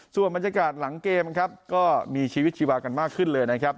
ส่วนบรรยากาศหลังเกมครับก็มีชีวิตชีวากันมากขึ้นเลยนะครับ